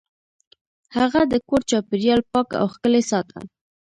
هغه د کور چاپیریال پاک او ښکلی ساته.